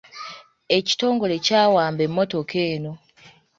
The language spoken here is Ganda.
Ekitongole kyawamba emmotoka eno.